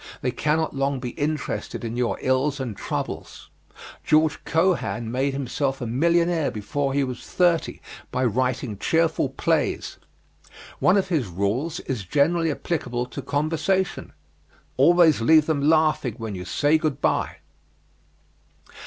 They cannot long be interested in your ills and troubles. George Cohan made himself a millionaire before he was thirty by writing cheerful plays. One of his rules is generally applicable to conversation: "Always leave them laughing when you say good bye."